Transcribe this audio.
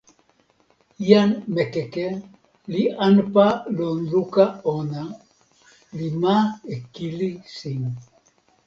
jan Mekeke li anpa lon luka ona, li ma e kili sin.